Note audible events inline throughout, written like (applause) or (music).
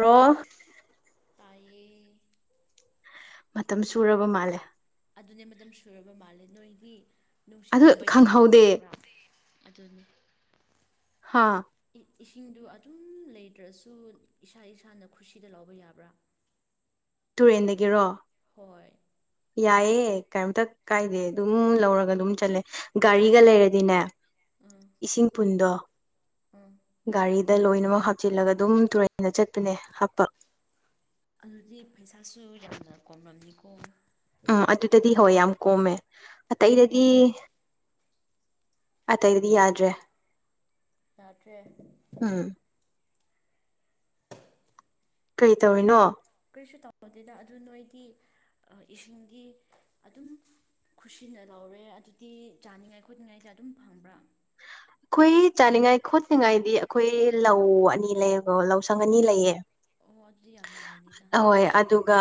ꯔꯣ ꯔꯣ__ (inaudible) ꯇꯥꯏꯌꯦ꯫ ꯃꯇꯝ ꯁꯨꯔꯕ ꯃꯥꯜꯂꯦ꯫ ꯑꯗꯨꯅꯦ ꯃꯇꯝ ꯁꯨꯔꯕ ꯃꯥꯜꯂꯦ ꯅꯣꯏꯗꯤ ꯑꯗꯨ ꯅꯨꯡꯁꯤꯠꯀꯨꯝꯕ ꯌꯥꯝ ꯌꯥꯝ ꯈꯪꯍꯧꯗꯦ ꯇꯥꯕ꯭ꯔꯥ? ꯑꯗꯨꯅꯤ___ ꯍꯥꯥ ꯏꯁꯤꯡꯗ ꯑꯗꯨꯝ ꯂꯩꯇ꯭ꯔꯥꯁꯨ ꯏꯁꯥ ꯏꯁꯥꯅ ꯈꯨꯁꯤꯗ ꯂꯧꯕ ꯌꯥꯕ꯭ꯔꯥ ꯇꯨꯔꯦꯟꯗꯒꯤꯔꯣ ꯍꯣꯏ꯫ ꯌꯥꯏꯌꯦ ꯀꯩꯝꯇ ꯀꯥꯏꯗꯦ ꯑꯗꯨꯝ ꯂꯧꯔꯒ ꯑꯗꯨ ꯑꯗꯨꯝ ꯆꯠꯂꯦ꯫ ꯒꯥꯔꯤꯒ ꯂꯩꯔꯗꯤꯅꯦ ꯎꯝ ꯏꯁꯤꯡ ꯄꯨꯟꯗꯣ___ ꯎꯝ ꯒꯥꯔꯤꯗ ꯂꯣꯏꯅꯃꯛ ꯍꯥꯞꯆꯤꯜꯂꯒ ꯑꯗꯨꯝ ꯇꯨꯔꯦꯟꯅ ꯆꯠꯄꯅꯦ ꯍꯥꯞꯄ꯫ ꯑꯗꯨꯗꯤ ꯐꯩꯁꯥꯁꯨ ꯌꯥꯝꯅ ꯀꯣꯝꯂꯝꯅꯤꯀꯣ꯫ ꯑ ꯑꯗꯨꯗꯗꯤ ꯍꯣꯏ ꯌꯥꯝ ꯀꯣꯝꯃꯦ ꯑꯇꯩꯗꯗꯤ__ ꯑꯇꯩꯗꯤ ꯌꯥꯗ꯭ꯔꯦ꯫ ꯌꯥꯗ꯭ꯔꯦ꯫ ꯎꯝ ꯀꯔꯤ ꯇꯧꯔꯤꯅꯣ ꯀꯔꯤꯁꯨ ꯇꯧꯗꯦꯗ ꯑꯗꯨ ꯅꯣꯏꯗꯤ ꯏꯁꯤꯡꯒꯤ ꯑꯗꯨꯝ ꯈꯨꯁꯤꯟꯅ ꯂꯧꯔꯦ ꯑꯗꯨꯗꯤ ꯆꯥꯅꯤꯡꯉꯥꯏ ꯈꯣꯠꯅꯤꯡꯉꯥꯏꯗ ꯑꯗꯨꯝ ꯐꯪꯕ꯭ꯔꯥ ꯑꯩꯈꯣꯏ ꯆꯥꯅꯤꯡꯉꯥꯏ ꯈꯣꯠꯅꯤꯡꯉꯥꯏꯗꯤ ꯑꯩꯈꯣꯏ ꯂꯧ ꯑꯅꯤ ꯂꯩꯌꯦꯕꯣ ꯂꯧꯁꯪ ꯑꯅꯤ ꯂꯩꯌꯦ ꯑꯣ ꯑꯗꯨꯗꯤ ꯌꯥꯝ ꯅꯨꯡꯉꯥꯏꯅꯤꯗ ꯍꯣꯏ ꯑꯗꯨ ꯑꯗꯨꯒ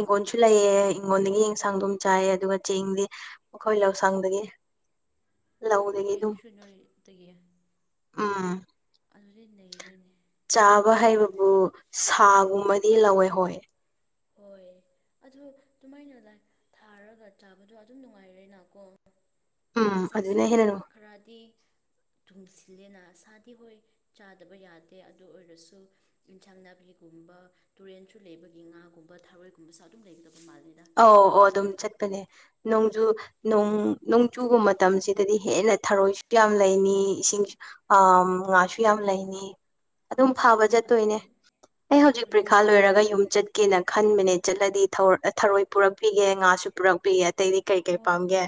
ꯏꯪꯈꯣꯟꯁꯨ ꯂꯩꯑ ꯏꯤꯡꯒꯣꯟꯜꯗꯒꯤ ꯑꯦꯟꯁꯥꯡ ꯑꯗꯨꯝ ꯆꯥꯏꯌꯦ ꯑꯗꯨꯒ ꯆꯦꯡꯗꯤ ꯑꯩꯈꯣꯏ ꯂꯧꯁꯪꯗꯒꯤ ꯑꯣ ꯂꯧꯗꯒꯤ ꯆꯦꯡꯁꯨ ꯅꯣꯏꯗꯒꯤ ꯑꯥꯝ ꯑꯗꯨꯗꯤ ꯅꯩꯔꯦꯅꯦ ꯆꯥꯕ ꯍꯩꯕꯕꯨ ꯁꯥꯒꯨꯝꯕꯗꯤ ꯂꯧꯋꯦ ꯍꯣꯏ ꯍꯣꯏ ꯑꯗꯣ ꯑꯗꯨꯃꯥꯏꯅ ꯊꯥꯔꯒ ꯆꯥꯕꯗꯣ ꯑꯗꯨꯝ ꯅꯨꯡꯉꯥꯏꯔꯦꯅꯀꯣ ꯎꯝ ꯄꯩꯁꯥꯁꯨ ꯑꯗꯨꯅ ꯍꯦꯟꯅ ꯑꯧ ꯈꯔꯗꯤ ꯇꯨꯡꯁꯤꯜꯂꯦꯅꯁꯥꯗꯤ ꯍꯣꯏ ꯆꯥꯗꯕ ꯌꯥꯗꯦ ꯑꯗꯨ ꯑꯣꯏꯔꯁꯨ ꯏꯟꯁꯥꯡ ꯅꯥꯄꯤꯒꯨꯝꯕ ꯇꯨꯔꯦꯟꯁꯨ ꯂꯩꯕꯒꯤ ꯉꯥꯒꯨꯝꯕ ꯊꯥꯔꯣꯏꯒꯨꯝꯕꯁꯨ ꯑꯗꯨꯝ ꯂꯩꯒꯗꯕ ꯃꯥꯜꯂꯤꯦꯗ ꯑꯣ ꯑꯣ ꯑꯗꯨꯝ ꯆꯠꯄꯅꯦ ꯅꯣꯡꯖꯨ ꯅꯣꯡ ꯅꯣꯡꯆꯨꯕ ꯃꯇꯝꯁꯤꯗꯗꯤ ꯍꯦꯟꯅ ꯊꯔꯣꯏꯁꯨ ꯌꯥꯝ ꯂꯩꯅꯤ ꯏꯁꯤꯡꯁꯨ ꯑ ꯉꯥꯁꯨ ꯌꯥꯝ ꯂꯩꯅꯤ꯫ ꯑꯗꯨꯝ ꯐꯥꯕ ꯑꯗꯨ ꯆꯠꯇꯣꯏꯅꯦ ꯑꯩ ꯑꯗꯨ ꯍꯧꯖꯤꯛ ꯅꯣꯡ ꯄ꯭ꯔꯤꯈꯥ ꯆꯨ ꯂꯣꯏꯔꯒ ꯌꯨꯝ ꯆꯠ ꯀꯦꯅ ꯈꯟꯕꯅꯦ ꯆꯠꯂꯗꯤ ꯊꯔꯣꯏ ꯑꯩ ꯊꯔꯣꯏ ꯄꯨꯔꯛꯄꯤꯒꯦ ꯉꯥꯁꯨ ꯄꯨꯔꯛꯄꯤꯒꯦ ꯑꯇꯩꯗꯤ ꯀꯩ ꯀꯩ ꯍꯣꯏ ꯄꯥꯝꯒꯦ ꯍꯣꯏ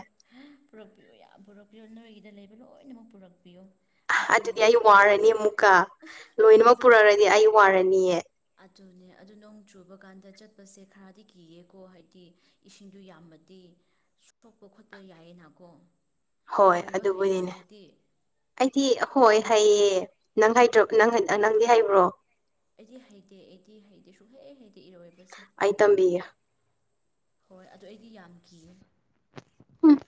ꯄꯨꯔꯛꯄꯤꯌꯣ ꯌꯥꯝ ꯄꯨꯔꯛꯄꯤꯌꯣ ꯅꯣꯏꯒꯤꯗ ꯂꯩꯕ ꯂꯣꯏꯅꯃꯛ ꯄꯨꯔꯛꯄꯤꯌꯣ꯫ ꯑꯗꯨ ꯑꯗꯨꯗꯤ ꯑꯩ ꯋꯥꯔꯅꯤ ꯑꯃꯨꯛꯀ ꯂꯣꯏꯅꯃꯛ ꯑꯗꯨ ꯄꯨꯔꯛꯔꯗꯤ ꯑꯩ ꯋꯥꯔꯅꯤꯑ ꯑꯗꯨꯅꯦ ꯑꯗꯨ ꯅꯣꯡ ꯆꯨꯕ ꯀꯥꯟꯗ ꯆꯠꯄꯁꯦ ꯈꯔꯗꯤ ꯀꯤꯌꯦꯀꯣ ꯍꯥꯏꯗꯤ ꯏꯁꯤꯡꯗꯨ ꯌꯥꯝꯃꯗꯤ ꯁꯣꯛꯄ ꯈꯣꯠꯄ ꯌꯥꯏꯌꯦꯅꯀꯣ ꯍꯣꯏ ꯏꯔꯣꯏꯕ ꯍꯩꯕ꯭ꯔꯣ ꯑꯗꯨꯕꯨꯅꯤꯅꯦ ꯅꯪꯗꯤ ꯑꯩꯗꯤ ꯍꯣꯏ ꯍꯩꯌꯦ ꯅꯪ ꯍꯩꯗ꯭ꯔꯣ ꯅꯪ ꯅꯪꯗꯤ ꯍꯩꯕ꯭ꯔꯣ ꯑꯩꯗꯤ ꯍꯩꯇꯦ ꯑꯩꯗꯤ ꯍꯩꯇꯦ ꯁꯨꯛꯍꯩ ꯍꯩꯇꯦ ꯏꯔꯣꯏꯕꯁꯦ꯫ ꯑꯩ ꯇꯝꯕꯤꯒꯦ ꯍꯣꯏ ꯑꯗꯨ ꯑꯩꯗꯤ ꯌꯥꯝ ꯀꯤꯌꯦ꯫ ꯎꯝ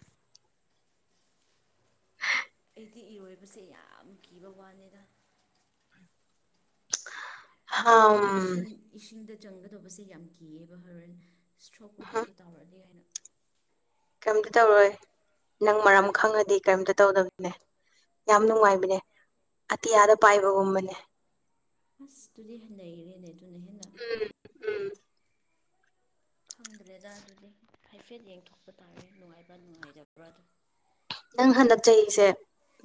ꯑꯩꯗꯤ ꯏꯔꯣꯏꯕꯁꯦ ꯌꯥꯝ ꯀꯤꯕ ꯋꯥꯅꯤꯗ ꯍꯝ ꯑꯩꯗꯤ ꯏꯁꯤꯡ ꯏꯁꯤꯡꯗ ꯆꯪꯒꯗꯕꯁꯦ ꯌꯥꯝ ꯀꯤꯌꯦꯕ ꯍꯧꯔꯦꯟ ꯏꯁꯇ꯭ꯔꯣꯛꯄ ꯈꯣꯠꯄ ꯇꯧꯔꯛꯑꯗꯤ ꯍꯥꯏꯅ ꯀꯔꯤꯝꯇ ꯇꯧꯔꯣꯏ ꯅꯪ ꯃꯔꯝ ꯈꯪꯉꯗꯤ ꯀꯔꯤꯝꯇ ꯇꯧꯗꯕꯅꯦ꯫ ꯌꯥꯝ ꯍꯣꯏ ꯅꯨꯡꯉꯥꯏꯕꯅꯦ ꯑꯇꯤꯌꯥꯗ ꯄꯥꯏꯕꯒꯨꯝꯕꯅꯦ꯫ ꯑꯁꯇꯨꯗꯤ ꯍꯟꯅꯩꯈꯔꯦꯅꯦ ꯑꯗꯨꯅ ꯍꯦꯟꯅ ꯎꯝ ꯎꯝ ꯈꯪꯗ꯭ꯔꯦꯗ ꯑꯗꯨꯗꯤ ꯍꯥꯏꯐꯦꯠ ꯌꯦꯡꯊꯣꯛꯄ ꯇꯥꯔꯦ ꯅꯨꯡꯉꯥꯏꯕ꯭ꯔꯥ ꯅꯨꯡꯉꯥꯏꯇꯕ꯭ꯔꯥ ꯑꯗꯨ ꯅꯪ ꯍꯟꯗꯛ ꯆꯍꯤꯁꯦ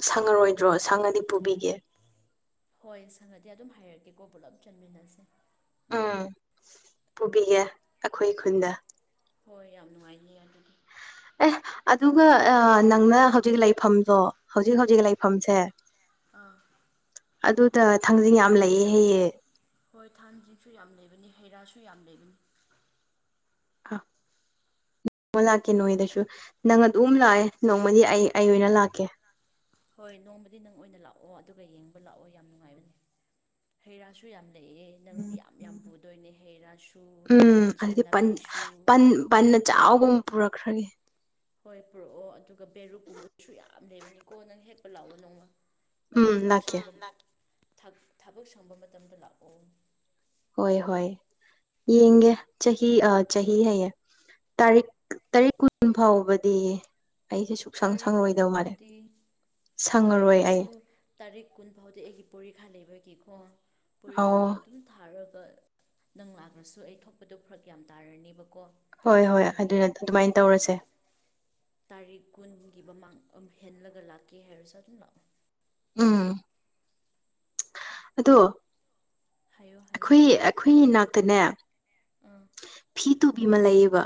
ꯁꯪꯉꯔꯣꯏꯗ꯭ꯔꯣ ꯁꯪꯉꯗꯤ ꯄꯨꯕꯤꯒꯦ꯫ ꯍꯣꯏ ꯁꯪꯉꯗꯤ ꯑꯗꯨꯝ ꯍꯥꯏꯔꯛꯀꯦꯀꯣ ꯄꯨꯂꯞ ꯆꯠꯃꯤꯟꯅꯁꯦ꯫ ꯎꯝ ꯄꯨꯕꯤꯒꯦ ꯑꯈꯣꯏ ꯈꯨꯟꯗ ꯍꯣꯏ ꯌꯥꯝ ꯅꯨꯡꯉꯥꯏꯅꯤ ꯑꯗꯨꯗꯤ꯫ ꯑꯦ ꯑꯗꯨꯒ ꯑ ꯅꯪꯅ ꯍꯧꯖꯤꯛ ꯂꯩꯐꯝꯗꯣ ꯍꯧꯖꯤꯛ ꯍꯧꯖꯤꯛ ꯂꯩꯐꯝꯁꯦ꯫ ꯑꯥ ꯑꯗꯨꯗ ꯊꯥꯡꯖꯤꯡ ꯌꯥꯝ ꯂꯩꯑꯦ ꯍꯌꯦꯑ ꯍꯣꯏ ꯊꯥꯡꯖꯁꯨ ꯌꯥꯝ ꯂꯩꯕꯅꯤ ꯍꯩ ꯔꯥꯁꯨ ꯌꯥꯝ ꯂꯩꯕꯅꯤ꯫ ꯑꯥ ꯅꯣꯡꯃ ꯂꯥꯛꯀꯦ ꯅꯣꯏꯗꯁꯨ ꯅꯪ ꯑꯗꯨꯝ ꯂꯥꯛꯑꯦ ꯅꯣꯡꯃꯗꯤ ꯑꯩ ꯑꯩ ꯑꯣꯏꯅ ꯂꯥꯛꯀꯦ꯫ ꯍꯣꯏ ꯅꯣꯡꯃꯗꯤ ꯅꯪ ꯑꯣꯏꯅ ꯂꯥꯛꯑꯣ ꯑꯗꯨꯒ ꯌꯦꯡꯕ ꯂꯥꯛꯑꯣ ꯌꯥꯝ ꯅꯨꯡꯉꯥꯏꯕꯅꯦ꯫ ꯍꯩ ꯔꯥꯁꯨ ꯌꯥꯝ ꯂꯩꯌꯦ꯫ ꯅꯪꯗꯤ ꯌꯥꯝ ꯌꯥꯝ ꯄꯨꯗꯣꯏꯅꯦ ꯍꯩ ꯔꯥꯁꯨ ꯑꯦꯟꯁꯥꯡ ꯅꯥꯄꯤꯁꯨ ꯕꯟꯅ ꯆꯥꯎꯒꯨꯝ ꯄꯨꯔꯛꯈ꯭ꯔꯅꯤ꯫ ꯍꯣꯏ ꯄꯨꯔꯛꯑꯣ ꯑꯗꯨꯒ ꯕꯦꯔꯨꯛꯀꯨꯝꯕꯁꯨ ꯌꯥꯝ ꯂꯩꯕꯅꯤꯀꯣ ꯅꯪ ꯍꯦꯛꯄ ꯂꯥꯛꯑꯣ ꯅꯣꯡꯃ꯫ ꯅꯪ ꯎꯝ ꯊꯕꯛ ꯂꯥꯛꯀꯦ ꯊꯕꯛ ꯁꯪꯕ ꯃꯇꯝꯗ ꯂꯥꯛꯑꯣ ꯍꯣꯏ ꯍꯣꯏ ꯌꯦꯡꯒꯦ ꯆꯍꯤ ꯑ ꯆꯍꯤ ꯍꯥꯏꯌꯦ꯫ ꯇꯥꯔꯤꯛ ꯇꯔꯤꯛ ꯀꯨꯟ ꯐꯥꯎꯕꯗꯤ꯫ ꯑꯩꯁꯦ ꯁꯨꯛꯁꯪ ꯇꯥꯔꯤꯛ ꯀꯨꯟ ꯁꯪꯉꯔꯣꯏꯗꯧ ꯃꯥꯜꯂꯦ ꯐꯥꯎꯗꯤ ꯍꯣꯏ ꯁꯪꯉꯔꯣꯏ ꯑꯩ ꯑꯩꯁꯨ ꯇꯥꯔꯤꯛ ꯀꯨꯟ ꯐꯥꯎꯗꯤ ꯑꯩꯒꯤ ꯄꯣꯔꯤꯈꯥ ꯂꯩꯕꯒꯤꯀꯣ ꯑꯧ ꯄꯣꯔꯤꯈꯥꯗꯣ ꯑꯗꯨ ꯑꯗꯨꯝ ꯊꯥꯔꯒ ꯅꯪ ꯂꯥꯛꯂ꯭ꯔꯁꯨ ꯑꯩ ꯊꯣꯛꯄꯗꯣ ꯐꯔꯛ ꯌꯥꯝ ꯇꯥꯔꯅꯦꯕꯀꯣ ꯍꯣꯏ ꯍꯣꯏ ꯑꯗꯨꯒꯤ ꯑꯗꯨꯅ ꯑꯗꯨꯃꯥꯏꯅ ꯅꯪ ꯇꯧꯔꯁꯦ ꯇꯥꯔꯤꯛ ꯀꯨꯟꯒꯤ ꯃꯃꯥꯡ ꯍꯦꯟꯂꯒ ꯂꯥꯛꯀꯦ ꯍꯥꯏꯔꯁꯨ ꯑꯗꯨꯝ ꯂꯥꯛꯑꯣ꯫ ꯎꯝ ꯑꯗꯣ ꯍꯥꯏꯌꯣ ꯍꯥꯏꯌꯣ ꯑꯩꯈꯣꯏ ꯑꯩꯈꯣꯏ ꯏ ꯅꯥꯛꯇꯅꯦ꯫ ꯑꯥ ꯐꯤ ꯇꯨꯕꯤ ꯑꯃ ꯂꯩꯌꯦꯕ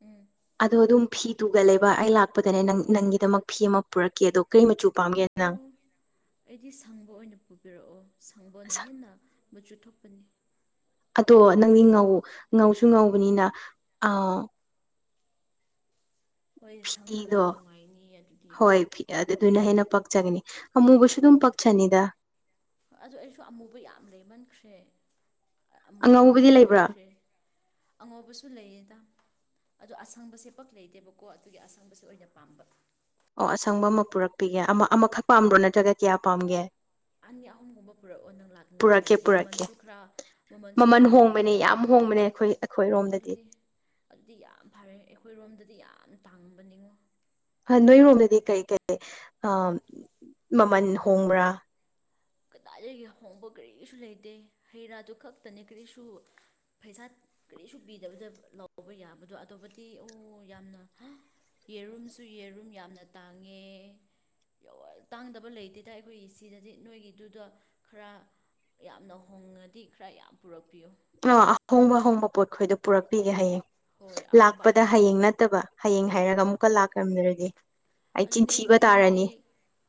ꯎꯝ ꯑꯗꯣ ꯑꯗꯨꯝ ꯐꯤ ꯇꯨꯔꯒꯂꯩꯕ ꯑꯩ ꯂꯥꯛꯄꯗꯅꯦ ꯅꯪ ꯅꯪꯒꯤꯗꯃꯛ ꯐꯤ ꯑꯃ ꯄꯨꯔꯛꯀꯦ ꯑꯗꯣ ꯀꯩ ꯃꯆꯨ ꯑꯣ ꯄꯥꯝꯒꯦ ꯅꯪ ꯑꯩꯗꯤ ꯁꯪꯕ ꯑꯣꯏꯅ ꯄꯨꯕꯤꯔꯛꯑꯣ ꯁꯪꯕꯅ ꯑꯁ ꯍꯦꯟꯅ ꯃꯆꯨ ꯊꯣꯛꯀ ꯅꯤ ꯑꯗꯣ ꯅꯪꯗꯤ ꯉꯧ ꯉꯧꯁꯨ ꯉꯧꯕꯅꯤꯅ ꯑ ꯍꯣꯏ ꯁꯪꯕꯅ ꯐꯤꯗꯣ ꯅꯨꯡꯉꯥꯏꯅꯤꯌꯦ ꯑꯗꯨꯗꯤ ꯍꯣꯏ ꯐꯤ ꯑꯗꯨꯗꯨꯅ ꯍꯦꯟꯅ ꯄꯛꯆꯒꯅꯤ ꯑꯃꯨꯕꯁꯨ ꯑꯗꯨꯝ ꯍꯣꯏ ꯄꯛꯆꯅꯤꯗ ꯑꯗꯨ ꯑꯣꯏꯔꯁꯨ ꯑꯃꯨꯕ ꯌꯥꯝ ꯂꯩꯃꯟꯈ꯭ꯔꯦ ꯑꯃꯨꯕ ꯑꯉꯧꯕꯗꯤ ꯉꯥꯛꯇ ꯂꯩꯕ꯭ꯔꯥ ꯑꯣꯏꯈ꯭ꯔꯦ ꯑꯉꯧꯕꯁꯨ ꯂꯩꯌꯦꯗ ꯑꯗꯣ ꯑꯁꯪꯕꯁꯦ ꯄꯛ ꯂꯩꯇꯦꯕꯀꯣ ꯑꯗꯨꯒꯤ ꯑꯁꯪꯕꯁꯦ ꯑꯣꯏꯅ ꯄꯥꯝꯕ ꯑꯣ ꯑꯁꯪꯕ ꯑꯃ ꯄꯨꯔꯛꯄꯤꯒꯦ ꯑꯃ ꯑꯃꯈꯛ ꯄꯥꯝꯕ꯭ꯔꯣ ꯅꯠꯇ꯭ꯔꯒ ꯀꯌꯥ ꯄꯥꯝꯒꯦ ꯑꯅꯤ ꯑꯍꯨꯝꯒꯨꯝꯕ ꯄꯨꯔꯛꯑꯣ ꯅꯪ ꯂꯥꯛꯅꯤ ꯄꯨꯔꯛꯀꯦ ꯍꯥꯏꯔꯗꯤ ꯄꯨꯔꯛꯀꯦ ꯃꯃꯜꯁꯨ ꯈꯔ ꯃꯃꯜꯁꯨ ꯃꯃꯜ ꯈꯔ ꯍꯣꯡꯕꯅꯦ ꯍꯣꯡꯒꯗꯕ ꯌꯥꯝ ꯃꯥꯜꯂꯦ ꯍꯣꯡꯕꯅꯦ ꯑꯩꯈꯣꯏ ꯑꯣ ꯑꯩꯈꯣꯏꯔꯣꯝꯗꯗꯤ ꯑꯗꯨꯗꯤ ꯑꯗꯨꯗꯤ ꯌꯥꯝ ꯐꯔꯦ ꯑꯩꯈꯣꯏꯔꯣꯝꯗꯗꯤ ꯌꯥꯝ ꯇꯥꯡꯕ ꯅꯤꯡꯉꯣ ꯅꯣꯏꯔꯣꯝꯗꯗꯤ ꯀꯩ ꯀꯩ ꯑ ꯃꯃꯜ ꯍꯣꯡꯕ꯭ꯔꯥ ꯀꯗꯥꯏꯗꯒꯤ ꯍꯣꯡꯕ ꯀꯔꯤꯁꯨ ꯂꯩꯇꯦ ꯍꯩ ꯔꯥꯗꯨ ꯈꯛꯇꯅꯦ ꯀꯔꯤꯁꯨ ꯄꯩꯁꯥ ꯀꯔꯤꯁꯨ ꯄꯤꯗꯕꯗ ꯂꯧꯕ ꯌꯥꯕꯗꯣ ꯑꯗꯨꯕꯨꯗꯤ ꯑꯣ ꯌꯥꯝꯅ ꯌꯦꯔꯨꯝꯁꯨ ꯌꯦꯔꯨꯝ ꯌꯥꯝꯅ ꯇꯥꯡꯉꯦ ꯇꯥꯡꯗꯕ ꯂꯩꯇꯦ ꯇ ꯑꯩꯈꯣꯏꯒꯤ ꯁꯤꯗꯗꯤ ꯅꯣꯏꯒꯤ ꯗꯨꯗꯣ ꯈꯔ ꯌꯥꯝꯅ ꯍꯣꯡꯉꯗꯤ ꯈꯔ ꯌꯥꯝ ꯄꯨꯔꯛꯄꯤꯌꯣ ꯕꯔꯣ ꯑꯍꯣꯡꯕ ꯑꯍꯣꯡꯕ ꯄꯣꯠꯈꯣꯏꯗꯣ ꯄꯨꯔꯛꯄꯤꯒꯦ ꯍꯌꯦꯡ ꯍꯣꯏ ꯑꯍꯣꯡꯕ ꯂꯥꯛꯄꯗ ꯑꯍꯣꯡꯕ ꯍꯌꯦꯡ ꯅꯠꯇꯕ ꯍꯌꯦꯡ ꯍꯥꯏꯔꯒ ꯑꯃꯨꯛꯀ ꯂꯥꯛꯔꯝꯗꯔꯗꯤ ꯑꯗꯨꯅꯦ ꯅꯪꯉꯣꯟꯗꯤ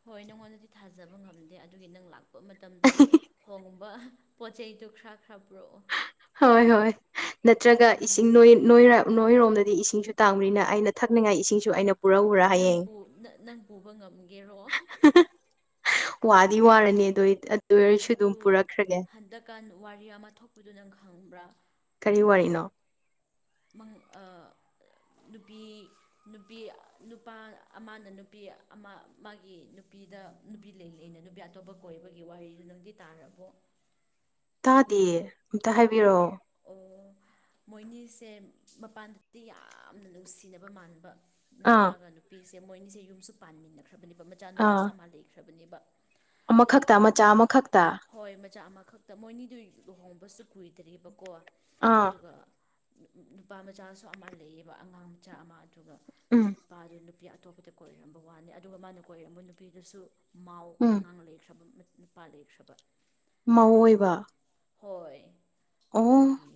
ꯍꯣꯏ ꯅꯪꯉꯣꯟꯗꯗꯤ ꯊꯥꯖꯕ ꯉꯝꯗꯦ ꯑꯗꯨꯒꯤ ꯅꯪ ꯂꯥꯛꯄ ꯃꯇꯝꯗ ꯈꯣꯡꯕ ꯄꯣꯠꯆꯩ ꯗꯨ ꯈ꯭ꯔꯥ ꯈꯔ ꯄꯨꯔꯛꯑꯣ ꯍꯣꯏ ꯍꯣꯏ ꯅꯠꯇ꯭ꯔꯒ ꯑꯗꯨꯅꯦ ꯏꯁꯤꯡ ꯅꯣꯏ ꯅꯣꯏꯔ ꯅꯣꯏꯔꯣꯝꯗꯗꯤ ꯏꯁꯤꯡꯁꯨ ꯇꯥꯡꯕꯅꯤꯅ ꯑꯩꯅ ꯊꯛꯅꯤꯡꯉꯥꯏ ꯏꯁꯤꯡꯁꯨ ꯑꯩꯅ ꯄꯨꯔꯛꯎꯔꯥ ꯅꯪ ꯍꯌꯦꯡ ꯅꯪ ꯄꯨꯕ ꯉꯝꯒꯦꯔꯣ ꯋꯥꯗꯤ ꯋꯥꯔꯅꯤ ꯑꯗꯨ ꯑꯗꯨ ꯑꯣꯏꯔꯁꯨ ꯑꯗꯨꯝ ꯄꯨꯔꯛꯈ꯭ꯔꯒꯦ ꯀꯥꯟ ꯋꯥꯔꯤ ꯑꯃ ꯊꯣꯛꯄꯗꯨ ꯅꯪ ꯈꯪꯕ꯭ꯔꯥ ꯀꯔꯤ ꯋꯥꯔꯤꯅꯣ ꯃꯪ ꯑ ꯅꯨꯄꯤ ꯅꯨꯄꯤ ꯅꯨꯄꯥ ꯑꯃꯅ ꯅꯨꯄꯤ ꯑꯃ ꯃꯥꯒꯤ ꯅꯨꯄꯤꯗ ꯅꯨꯄꯤ ꯂꯩ ꯂꯩꯅ ꯅꯨꯄꯤ ꯑꯇꯣꯞꯄ ꯀꯣꯏꯕꯒꯤ ꯋꯥꯔꯤꯗꯨ ꯅꯪꯗꯤ ꯇꯥꯔꯕꯣ ꯇꯥꯗꯦ ꯑꯝꯇ ꯍꯥꯏꯕꯤꯔꯛꯑꯣ ꯑꯣ ꯃꯣꯏꯅꯤꯁꯦ ꯃꯄꯥꯟꯗꯗꯤ ꯌꯥꯝꯅ ꯅꯨꯡꯁꯤꯅꯕ ꯃꯥꯟꯕ ꯑꯥ ꯅꯨꯄꯥꯒ ꯅꯨꯄꯤꯁꯦ ꯃꯣꯏꯅꯤꯁꯦ ꯌꯨꯝꯁꯨ ꯄꯥꯟꯃꯤꯟꯅꯈ꯭ꯔꯕꯅꯦꯕ ꯃꯆꯥ ꯑꯥ ꯅꯨꯨꯄꯥꯁꯨ ꯑꯃ ꯂꯩꯈ꯭ꯔꯕꯅꯦꯕ ꯑꯃꯈꯛꯇ ꯑꯗꯨ ꯃꯆꯥ ꯑꯃꯈꯛꯇ꯫ ꯍꯣꯏ ꯃꯆꯥ ꯑꯃꯈꯛꯇ ꯃꯣꯏꯅꯤꯗꯨ ꯂꯨꯍꯣꯡꯕꯁꯨ ꯀꯨꯏꯗ꯭ꯔꯤꯕꯀꯣ ꯑꯥ ꯑꯗꯨꯒ ꯅꯨꯄꯥ ꯃꯆꯥꯁꯨ ꯑꯃ ꯂꯩꯌꯦꯕ ꯑꯉꯥꯡ ꯃꯆꯥ ꯑꯃ ꯑꯗꯨꯒ ꯎꯝ ꯅꯨꯄꯥꯗꯨ ꯅꯨꯄꯤ ꯅꯨꯄꯤ ꯑꯇꯣꯞꯄꯗ ꯀꯣꯏꯔꯝꯕ ꯋꯥꯅꯤ ꯑꯗꯨꯒ ꯃꯥꯅ ꯀꯣꯏꯔꯝꯕ ꯅꯨꯄꯤꯗꯁꯨ ꯃꯥ ꯎꯝ ꯑꯉꯥꯡ ꯂꯩꯈ꯭ꯔꯕ ꯅꯨꯄꯥ ꯂꯩꯈ꯭ꯔꯕ ꯃꯧ ꯑꯗꯨꯒ ꯑꯣꯏꯕ ꯍꯣꯏ ꯑꯣ ꯗꯣꯏꯒꯤ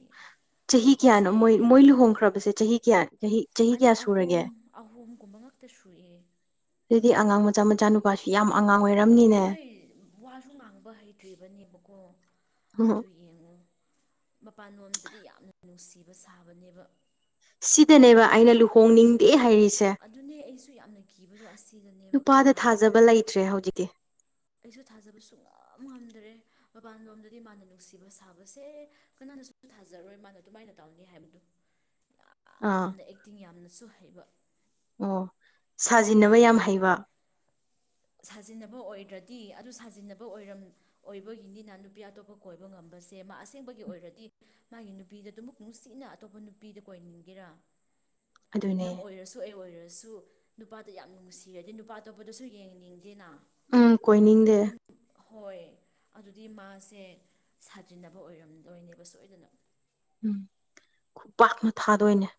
ꯆꯍꯤ ꯀꯌꯥꯅꯣ ꯅꯨꯄꯥꯁꯦ ꯃꯣꯏ ꯌꯥꯝ ꯃꯣꯏ ꯀꯤꯌꯦ ꯂꯨꯍꯣꯡꯈ꯭ꯔꯕꯁꯦ ꯆꯍꯤ ꯀꯌꯥ ꯆꯍꯤ ꯆꯍꯤ ꯀꯌꯥ ꯑꯍꯨꯝ꯫ ꯁꯨꯔꯒꯦ ꯑꯍꯣꯝꯒꯨꯝꯕ ꯉꯛꯇ ꯁꯨꯏꯌꯦ ꯑꯗꯨꯗꯤ ꯑꯉꯥꯡ ꯃꯆꯥ ꯃꯆꯥ ꯅꯨꯄꯥ ꯅꯨꯄꯥꯁꯤ ꯌꯥꯝ ꯑꯉꯥꯡ ꯑꯣꯏꯔꯝꯃꯤ ꯍꯣꯏ ꯋꯥꯁꯨ ꯉꯥꯡꯕ ꯍꯩꯇ꯭ꯔꯤꯕꯅꯦꯕꯀꯣ ꯑꯗꯨ ꯌꯦꯡꯉꯨ ꯃꯄꯥꯟꯂꯣꯝꯗꯗꯤ ꯌꯥꯝꯅ ꯅꯨꯡꯁꯤꯕ ꯁꯥꯕꯅꯦꯕ꯫ ꯁꯤꯗꯅꯦꯕ ꯑꯩꯅ ꯂꯨꯍꯣꯡꯅꯤꯡꯗꯦ ꯍꯥꯏꯔꯤꯁꯦ ꯑꯗꯨꯅꯦ ꯑꯩꯁꯨ ꯌꯥꯝꯅ ꯀꯤꯕꯗꯣ ꯑꯁꯤꯗꯅꯦꯕ ꯅꯨꯄꯥꯗ ꯈꯪꯕ꯭ꯔꯥ ꯊꯥꯖꯕ ꯂꯩꯇ꯭ꯔꯦ ꯍꯧꯖꯤꯛꯇꯤ ꯑꯩꯁꯨ ꯊꯥꯖꯕ ꯁꯨꯡ ꯉꯝ ꯉꯝꯗ꯭ꯔꯦ ꯃꯄꯥꯟ ꯂꯣꯝꯗꯗꯤ ꯃꯥꯅ ꯅꯨꯡꯁꯤꯕ ꯁꯥꯕꯁꯦ ꯀꯅꯥꯅꯁꯨ ꯊꯥꯖꯔꯣꯏ ꯃꯥꯅ ꯑꯗꯨꯃꯥꯏꯅ ꯇꯧꯅꯤ ꯍꯥꯏꯕꯗꯨ (inaudible) ꯌꯥꯝꯅ ꯑꯦꯛꯇꯤꯡ ꯌꯥꯝꯅꯁꯨ ꯍꯩꯕ ꯑꯣ ꯁꯥꯖꯤꯟꯅꯕ ꯌꯥꯝ ꯅꯨꯄꯥꯗꯨꯀꯣ ꯍꯩꯕ ꯁꯥꯖꯤꯟꯅꯕ ꯑꯣꯏꯗ꯭ꯔꯗꯤ ꯇꯤ ꯑꯗꯨ ꯁꯥꯖꯤꯟꯅꯕ ꯑꯣꯏꯔꯝ ꯑꯣꯏꯕꯒꯤꯅꯤꯅ ꯅꯨꯄꯤ ꯑꯇꯣꯞꯄ ꯀꯣꯏꯕ ꯉꯝꯕꯁꯦ ꯃꯥ ꯑꯁꯦꯡꯕꯒꯤ ꯑꯣꯏꯔꯗꯤ ꯃꯥꯒꯤ ꯅꯨꯄꯤꯗ ꯑꯗꯨꯃꯛ ꯅꯨꯡꯁꯤꯅ ꯑꯇꯣꯞꯄ ꯅꯨꯄꯤꯗ ꯀꯣꯏꯅꯤꯡꯒꯦꯔꯥ ꯑꯗꯨꯅꯦ ꯅꯪ ꯑꯣꯏꯔꯁꯨ ꯑꯩ ꯑꯣꯏꯔꯁꯨ ꯅꯨꯄꯥꯗꯨ ꯌꯥꯝ ꯅꯨꯡꯁꯤꯔꯗꯤ ꯅꯨꯄꯥ ꯑꯇꯣꯞꯄꯗꯁꯨ ꯌꯦꯡꯅꯤꯡꯗꯦꯅ ꯎꯝ ꯀꯣꯏꯅꯤꯡꯗꯦ ꯑꯗꯨꯏ ꯍꯣꯏ ꯑꯗꯨꯗꯤ ꯃꯥꯁꯦ ꯁꯥꯖꯤꯟꯅꯕ ꯑꯣꯏꯔꯝꯗꯣꯏꯅꯦꯕ ꯁꯣꯏꯗꯅ ꯎꯝ ꯈꯨꯄꯥꯛꯅ ꯊꯥꯗꯣꯏꯅꯦ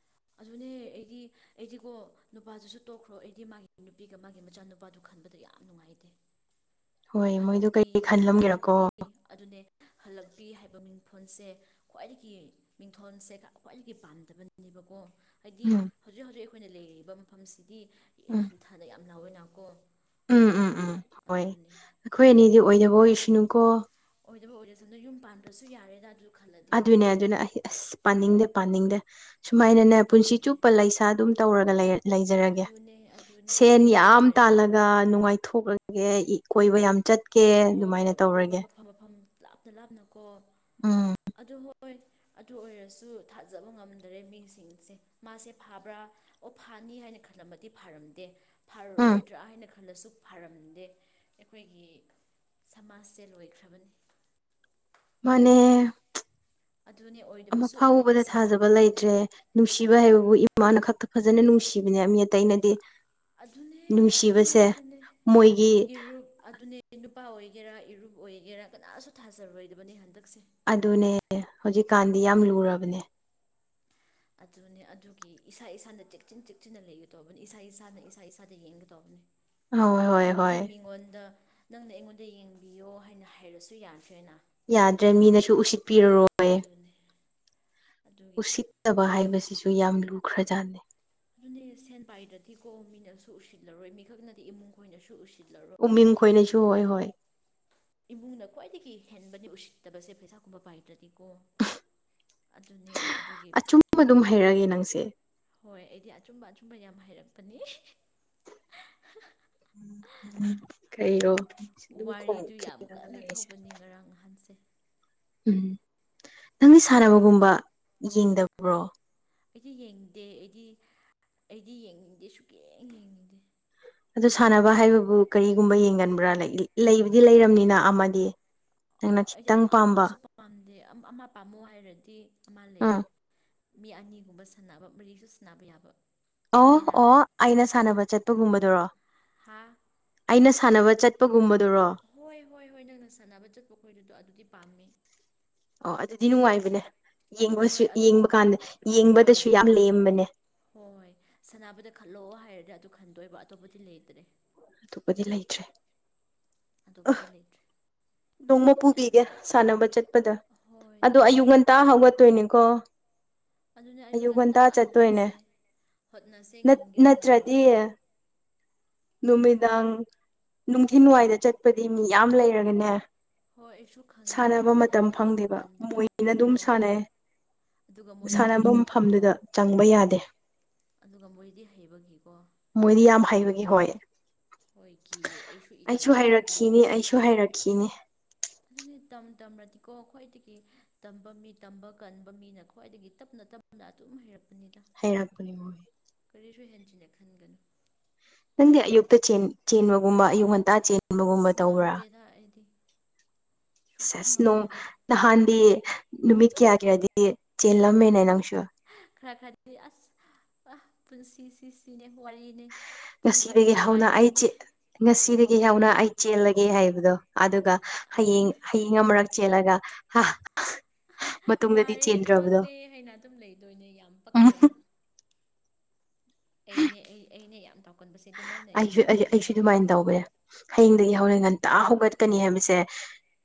ꯑꯗꯨꯅꯦ ꯑꯩꯗꯤ ꯑꯩꯗꯤꯒꯣ ꯅꯨꯄꯥꯗꯨꯁꯨ ꯇꯣꯛꯈ꯭ꯔꯣ ꯑꯩꯗꯤ ꯃꯥꯒꯤ ꯅꯨꯄꯤꯒ ꯃꯥꯒꯤ ꯃꯆꯥꯅꯨꯄꯥꯗꯨ ꯈꯟꯕꯗ ꯌꯥꯝ ꯅꯨꯡꯉꯥꯏꯇꯦ ꯍꯣꯏ ꯃꯣꯏꯗꯣ ꯍꯜꯂꯛꯄꯤ ꯀꯩꯀꯩ ꯈꯜꯂꯝꯒꯦꯔꯀꯣ ꯍꯜꯂꯛꯄꯤ ꯑꯗꯨꯅꯦ ꯍꯜꯂꯛꯄꯤ ꯍꯥꯏꯕ ꯃꯤꯡꯊꯣꯟꯁꯦ ꯈ꯭ꯋꯥꯏꯗꯒꯤ ꯃꯤꯡꯊꯣꯟꯁꯦ ꯈ꯭ꯋꯥꯏꯗꯒꯤ ꯄꯥꯝꯗꯕꯅꯦꯕ ꯑꯣ ꯍꯥꯏꯗꯤ ꯎꯝ ꯍꯧꯖꯤꯛ ꯍꯧꯖꯤꯛ ꯑꯩꯈꯣꯏꯅ ꯂꯩꯔꯤꯕ ꯃꯐꯝꯁꯤꯗꯤ ꯎꯝ ꯊꯥꯗ ꯌꯥꯝ ꯂꯥꯎꯋꯦꯅꯀꯣ ꯎꯝ ꯎꯝ ꯎꯝ ꯍꯣꯏ ꯑꯗꯨꯅꯦ ꯑꯩꯈꯣꯏ ꯑꯅꯤꯗꯤ ꯑꯗꯨꯒꯤ ꯑꯣꯏꯗꯕ ꯑꯣꯏꯁꯅꯨꯀꯣ ꯑꯣꯏꯗꯕ ꯑꯣꯏꯔꯁꯨ ꯅꫭꯏ ꯌꯨꯝ ꯄꯥꯟꯗ꯭ꯔꯁꯨ ꯌꯥꯔꯦꯗ ꯑꯗꯨ ꯈꯜꯂꯗꯤ ꯑꯗꯨꯅꯦ ꯑꯗꯨꯅ ꯑꯩ ꯑꯁ ꯄꯥꯅꯤꯡꯗꯦ ꯄꯥꯅꯤꯡꯗꯦ ꯁꯨꯃꯥꯏꯅꯅꯦ ꯄꯥꯅꯤꯡꯗꯦ ꯄꯨꯟꯁꯤ ꯄꯥꯅꯤꯡꯗꯦ ꯆꯨꯞꯄ ꯂꯩꯁꯥ ꯑꯗꯨꯝ ꯇꯔꯧꯒ ꯂꯩꯌ ꯂꯩꯖꯔꯒꯦ ꯑꯗꯨꯅꯦ ꯑꯗꯨꯅꯦ ꯁꯦꯟ ꯑꯗꯨꯅ ꯌꯥꯝ ꯅꯨꯡꯉꯥꯏꯔꯅꯤ ꯇꯂ ꯅꯨꯡꯉꯥꯏꯊꯣꯛꯂꯒꯦ ꯀꯣꯏꯕ ꯌꯥꯝ ꯆꯠ (unintelligible) ꯍꯣꯏ ꯀꯣꯏꯕ ꯀꯣꯏꯕ ꯃꯐꯝ ꯃꯐꯝ ꯂꯥꯞꯇ ꯂꯥꯞꯅꯀꯣ ꯎꯝ ꯑꯗꯨ ꯍꯣꯏ ꯑꯗꯨ ꯑꯣꯏꯔꯁꯨ ꯊꯥꯖꯕ ꯉꯝꯗꯔꯦ ꯃꯤꯁꯤꯡꯁꯦ ꯃꯥꯁꯦ ꯐꯥꯕ꯭ꯔꯥ ꯑꯣ ꯐꯥꯅꯤ ꯍꯥꯏꯅ ꯈꯜꯂꯝꯃꯗꯤ ꯐꯥꯔꯝꯗꯦ ꯎꯝ ꯐꯔꯔꯣꯏꯗ꯭ꯔꯥ ꯍꯥꯏꯅ ꯈꯜꯂꯁꯨ ꯐꯔꯝꯗꯦ ꯑꯩꯈꯣꯏꯒꯤ ꯁꯃꯥꯖꯁꯦ ꯂꯣꯏꯈ꯭ꯔꯕꯅꯤ ꯃꯥꯅꯦ ꯑꯗꯨꯅꯦ ꯑꯃ ꯑꯣꯏꯗꯕꯁꯨ ꯐꯥꯎꯕꯗ ꯊꯥꯖꯕ ꯑꯣꯏꯖꯁꯅꯨ ꯂꯩꯇ꯭ꯔꯦ ꯅꯨꯡꯁꯤꯕ ꯍꯥꯏꯕꯕꯨ ꯏꯃꯥꯅ ꯈꯛꯇ ꯐꯖꯅ ꯅꯨꯡꯁꯤꯕꯅꯦ ꯃꯤ ꯑꯇꯩꯅꯗꯤ ꯑꯗꯨꯅꯦ ꯑꯗꯨꯅꯦ ꯅꯨꯡꯁꯤꯕꯁꯦ ꯑꯗꯨꯅꯦ ꯃꯣꯏꯒꯤ ꯏꯔꯨ ꯑꯗꯨꯅꯦ ꯑꯩ ꯅꯨꯄꯥ ꯑꯣꯏꯒꯦꯔꯥ ꯏꯔꯨꯞ ꯑꯣꯏꯒꯦꯔꯥ ꯀꯅꯥꯁꯨ ꯊꯥꯖꯔꯣꯏꯗꯕꯅꯤ ꯍꯟꯗꯛꯁꯦ ꯑꯗꯨꯅꯦ ꯍꯧꯖꯤꯛꯀꯥꯟꯗꯤ ꯌꯥꯝ ꯂꯨꯔꯕꯅꯦ ꯑꯗꯨꯅꯦ ꯑꯗꯨꯒꯤ ꯏꯁꯥ ꯏꯁꯥꯅ ꯆꯦꯛꯁꯤꯟ ꯆꯦꯛꯁꯤꯟꯅ ꯂꯩꯒꯗꯧꯕꯅꯤ ꯏꯁꯥ ꯏꯁꯥꯅ ꯏꯁꯥ ꯏꯁꯥꯗ ꯌꯦꯡꯒꯗꯧꯕꯅꯤ ꯍꯣꯏ ꯍꯣꯏ ꯍꯧꯖꯤꯛꯇꯤ ꯍꯣꯏ ꯃꯤꯉꯣꯟꯗ ꯅꯪꯅ ꯑꯩꯉꯣꯟꯗ ꯌꯦꯡꯕꯤꯌꯣ ꯍꯥꯏꯅ ꯍꯥꯏꯔꯁꯨ ꯌꯥꯗ꯭ꯔꯦꯅ ꯌꯥꯗ꯭ꯔꯦ ꯃꯤꯅꯁꯨ ꯎꯁꯤꯠꯄꯤꯔꯔꯣꯏ ꯑꯗꯨꯅꯦ ꯑꯗꯨꯒꯤ ꯐꯠꯇꯕ ꯍꯥꯏꯕꯁꯤꯁꯨ ꯌꯥꯝ ꯂꯨꯈ꯭ꯔꯖꯥꯅꯤ ꯑꯗꯨꯅꯦ ꯁꯦꯟ ꯄꯥꯏꯗꯔꯗꯤꯀꯣ ꯃꯤꯅꯁꯨ ꯎꯁꯤꯠꯂꯔꯣꯏ ꯃꯤꯈꯛꯅꯗꯤ ꯏꯃꯨꯡ ꯈꯣꯏꯅꯁꯨ ꯎꯁꯤ ꯎꯃꯤꯡ ꯈꯣꯏꯅꯁꯨ ꯍꯣꯏ ꯍꯣꯏ ꯏꯃꯨꯡꯅ ꯈ꯭ꯋꯥꯏꯗꯒꯤ ꯍꯦꯟꯕꯅꯤ ꯎꯁꯤꯠꯇꯕꯁꯦ ꯄꯩꯁꯥꯒꯨꯝꯕ ꯄꯥꯏꯗ꯭ꯔꯗꯤꯀꯣ ꯑꯗꯨꯅꯤ ꯑꯗꯨꯒꯤ ꯁꯨꯝꯕ ꯑꯗꯨꯝ ꯍꯩꯔꯑꯒꯦ ꯅꯪꯁꯦ ꯍꯣꯏ ꯑꯩꯗꯤ ꯑꯆꯨꯝꯕ ꯑꯆꯨꯝꯕ ꯌꯥꯝ ꯍꯥꯏꯔꯛꯄꯅꯤ ꯎ ꯑꯗꯨ ꯀꯩꯔꯣ ꯑꯗꯨꯝ ꯈꯣꯡ ꯋꯥꯔꯤꯗꯨ ꯌꯥꯝ ꯈꯤꯉꯒ ꯀꯟꯅ ꯂꯩꯔꯤꯁꯦ ꯊꯣꯛꯄꯅꯤ ꯉꯔꯥꯡ ꯉꯍꯥꯟꯁꯦ ꯎꯝ ꯅꯪꯗꯤ ꯁꯥꯟꯅꯕꯒꯨꯝꯕ ꯌꯦꯡꯗꯕ꯭ꯔꯣ ꯑꯩꯗꯤ ꯌꯦꯡꯗꯦ ꯑꯩꯗꯤ ꯑꯩꯗꯤ ꯌꯦꯡꯅꯤꯡꯗꯦ ꯁꯨꯛꯌꯦꯡ ꯌꯦꯡꯅꯤꯡꯗꯦ꯫ ꯑꯗꯨ ꯁꯥꯟꯅꯕ ꯍꯥꯏꯕꯕꯨ ꯀꯔꯤꯒꯨꯝꯕ ꯌꯦꯡꯒꯟꯕ꯭ꯔꯥ ꯂꯩꯕꯗꯤ ꯂꯩꯔꯕꯝꯅꯤꯅ ꯑꯃꯗꯤ ꯅꯪꯅ ꯑꯩꯗꯤ ꯈꯤꯇꯪ ꯑꯃ ꯄꯥꯝꯕ ꯐꯥꯎꯁꯨ ꯄꯥꯝꯗꯦ ꯑꯝ ꯑꯃ ꯄꯥꯝꯃꯣ ꯍꯥꯏꯔꯗꯤ ꯑꯃ ꯎꯝ ꯂꯩꯑꯦ꯫ ꯃꯤ ꯑꯅꯤꯒꯨꯝꯕ ꯁꯥꯟꯅꯕ ꯃꯔꯤꯁꯨ ꯁꯥꯟꯅꯕ ꯌꯥꯕ ꯑꯣ ꯈꯪꯉꯦꯅ ꯑꯣ ꯑꯩꯅ ꯁꯥꯟꯅꯕ ꯆꯠꯄꯒꯨꯝꯕꯗꯨꯔꯣ ꯍꯥ ꯑꯩꯅ ꯁꯥꯟꯅꯕ ꯆꯠꯄꯒꯨꯝꯕꯗꯨꯔꯣ ꯍꯣꯏ ꯍꯣꯏ ꯍꯣꯏ ꯅꯪꯅ ꯁꯥꯟꯅꯕ ꯆꯠꯄ ꯈꯣꯏꯗꯨꯗꯣ ꯑꯗꯨꯗꯤ ꯄꯥꯝꯃꯤ ꯑꯣ ꯑꯗꯨꯗꯤ ꯅꯨꯡꯉꯥꯏꯕꯅꯦ ꯌꯦꯡꯕꯁꯨ ꯍꯣꯏ ꯑꯗꯨ ꯌꯦꯡꯕ ꯀꯥꯟꯗ ꯍꯣꯏ ꯌꯦꯡꯕꯗꯁꯨ ꯌꯥꯝ ꯂꯦꯝꯕꯅꯦ꯫ ꯍꯣꯏ ꯁꯅꯥꯕꯗ ꯈꯜꯂꯛꯑꯣ ꯍꯥꯏꯔꯗꯤ ꯑꯗꯨ ꯈꯟꯗꯣꯏꯕ ꯑꯇꯣꯞꯄꯗꯤ ꯂꯩꯇ꯭ꯔꯦ ꯑꯇꯣꯞꯄꯗꯤ ꯂꯩꯇ꯭ꯔꯦ ꯑ ꯑꯇꯣꯞꯄꯗꯤ ꯂꯩꯇ꯭ꯔꯦ ꯅꯣꯡꯃ ꯄꯨꯕꯤꯒꯦ ꯌꯥꯝꯅ ꯁꯥꯟꯅꯕ ꯆꯠꯄꯗ ꯍꯣꯏ ꯑꯗꯣ ꯅꯣꯡꯃ ꯑꯌꯨꯛ ꯉꯟꯇꯥ ꯄꯨꯕꯤꯌꯣ ꯍꯧꯒꯠꯇꯣꯏꯅꯤꯀꯣ ꯑꯌꯨꯛ ꯉꯟꯇꯥ ꯆꯠꯇꯣꯏꯅꯦ ꯍꯣꯠꯅꯁꯦ ꯉꯝꯒꯦꯔꯥ ꯅꯠꯇ꯭ꯔꯗꯤ ꯉꯝꯃꯔꯣꯏꯗ꯭ꯔꯥ ꯅꯨꯃꯤꯗꯥꯡ ꯅꯨꯡꯊꯤꯟꯋꯥꯏꯗ ꯆꯠꯄꯗꯤ ꯃꯤ ꯌꯥꯝ ꯂꯩꯔꯒꯅꯦ ꯍꯣꯏ ꯑꯩꯁꯨ ꯈꯪꯉꯦ ꯁꯥꯟꯅꯕ ꯍꯥꯏꯐꯦꯠ ꯃꯇꯝ ꯍꯥꯏꯐꯦꯠ ꯊꯣꯛꯄ ꯐꯪꯗꯦꯕ ꯀꯥꯟꯗ ꯃꯣꯏꯅ ꯑꯗꯨꯝ ꯍꯣꯏ ꯁꯥꯟꯅꯩ ꯑꯗꯨꯒ ꯃꯣꯏꯗꯤ ꯁꯥꯟꯅꯕ ꯍꯩꯕꯒꯤꯀꯣ ꯃꯐꯝꯗꯨꯗ ꯆꯪꯕ ꯌꯥꯗꯦ ꯑꯗꯨꯒ ꯃꯣꯏꯗꯤ ꯍꯩꯕꯒꯤꯀꯣ ꯃꯣꯏꯗꯤ ꯌꯥꯝ ꯍꯩꯕꯒꯤ ꯍꯣꯏ ꯍꯣꯏ ꯀꯤꯌꯦ ꯑꯩꯁꯨ ꯏꯀꯥꯏꯌꯦꯗ ꯍꯩꯔꯛꯈꯤꯅꯤ ꯑꯗꯨꯃꯛꯇꯤ ꯑꯩꯁꯨ ꯍꯩꯔꯛꯈꯤꯅꯤ ꯑꯗꯨꯅꯤ ꯇꯝ ꯇꯝꯔꯗꯤꯀꯣ ꯈ꯭ꯋꯥꯏꯗꯒꯤ ꯇꯝꯕ ꯃꯤ ꯇꯝꯕ ꯀꯟꯕ ꯃꯤꯅ ꯈ꯭ꯋꯥꯏꯗꯒꯤ ꯇꯞꯅ ꯇꯞ ꯅ ꯑꯗꯨꯝ ꯍꯩꯔꯛꯄꯅꯦꯗ ꯍꯩꯔꯛꯄꯅꯤ ꯃꯣꯏ ꯀꯔꯤꯁꯨ ꯍꯦꯟꯖꯤꯟꯅ ꯈꯟꯒꯅꯨ ꯅꯪꯗꯤ ꯑꯌꯨꯛꯇ ꯆꯦꯟ ꯆꯦꯟꯕꯒꯨꯝꯕ ꯑꯌꯨꯛ ꯉꯟꯇꯥ ꯆꯦꯟ ꯑꯁ ꯉꯝꯗꯦꯗ ꯑꯩꯗꯤ ꯁꯨꯡꯉꯝ ꯁꯦꯁ ꯅꯣꯡ ꯉꯝꯗꯔꯦ ꯅꯍꯥꯟꯗꯤ ꯅꯨꯃꯤꯠ ꯀꯌꯥꯒꯤꯔꯗꯤ ꯆꯦꯜꯂꯝꯃꯦꯅꯦ ꯅꯪꯁꯨ ꯈꯔ ꯈꯔꯗꯤ ꯑꯁ ꯑ ꯄꯨꯟꯁꯤ ꯁꯤ ꯁꯤꯅꯦ ꯋꯥꯔꯤꯅꯦ ꯄꯨꯡ ꯉꯁꯤꯗꯒꯤ ꯄꯨꯡꯒꯤ ꯍꯧꯅ ꯑꯩ ꯋꯥꯔꯤꯅꯦ ꯆꯦ ꯉꯁꯤꯗꯒꯤ ꯍꯧꯅ ꯑꯩ ꯆꯦꯜꯂꯒꯦ ꯍꯥꯏꯕꯗꯣ ꯑꯗꯨꯒ ꯑꯗꯨꯅꯦ ꯍꯌꯦꯡ ꯍꯌꯦꯡ (unintelligible) ꯃꯔꯛ ꯆꯦꯂꯒ ꯍꯥ꯫ ꯃꯇꯨꯡꯗꯗꯤ ꯋꯥꯔꯦ ꯆꯦꯟꯗ꯭ꯔꯕꯗꯣ ꯈꯣꯠꯂꯦ ꯍꯥꯏꯅ ꯑꯗꯨꯝ ꯂꯩꯗꯣꯏꯅꯦ ꯌꯥꯝ ꯄꯛꯇ꯭ꯔꯥ ꯑꯩꯅꯦ ꯑꯩ ꯑꯩꯩꯅꯦ ꯌꯥꯝ ꯇꯧꯒꯟꯕꯁꯦ ꯑꯗꯨꯃꯥꯏꯅ ꯌꯥꯝ ꯑꯩꯁꯨ ꯑꯩꯁꯨ ꯅꯣꯛꯅꯤꯡꯗ꯭ꯔꯥ ꯑꯩꯁꯨ ꯑꯗꯨꯃꯥꯏꯅ ꯇꯧꯋꯦ ꯎꯝ ꯍꯌꯦꯡꯗꯒꯤ ꯍꯧꯔꯦꯟ ꯉꯟꯇꯥ ꯍꯧꯒꯠꯀꯅꯤ ꯍꯥꯏꯕꯁꯦ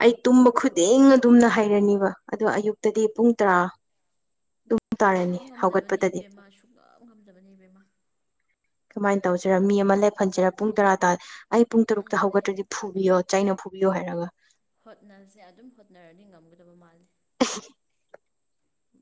ꯑꯩ ꯇꯨꯝꯕ ꯈꯨꯗꯤꯡꯅ ꯑꯗꯨꯝꯅ ꯍꯥꯏꯔꯅꯤꯕ ꯑꯗꯣ ꯑꯌꯨꯛꯇꯗꯤ ꯄꯨꯡ ꯇꯔꯥ ꯇꯨ ꯁꯨꯡꯉꯝ ꯉꯝꯗꯕꯅꯦ ꯏꯕꯦꯝꯃꯥ ꯁꯨꯡꯉꯝ ꯉꯝꯗꯕꯅꯦ ꯏꯕꯦꯝꯃꯥ ꯀꯃꯥꯏꯅ ꯇꯧꯁꯤꯔꯥ ꯃꯤ ꯑꯃ ꯂꯦꯞꯍꯟꯁꯤꯔꯥ ꯄꯨꯡ ꯇꯔꯥ ꯇꯥ ꯑꯩ ꯄꯨꯡ ꯇꯔꯨꯛꯇ ꯑꯗꯨꯅꯦ ꯍꯧꯒꯠꯇꯔꯗꯤ ꯐꯨꯕꯤꯌꯣ ꯆꯩꯅ ꯐꯨꯕꯤꯌꯣ ꯍꯥꯏꯔꯒ ꯍꯣꯠꯅꯁꯦ ꯑꯗꯨꯝ ꯍꯣꯠꯅꯔꯗꯤ ꯉꯝꯒꯗꯕ ꯃꯥꯜꯂꯤ (inaudible)